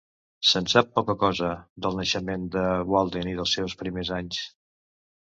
Se'n sap poca cosa, del naixement de Walden i dels seus primers anys.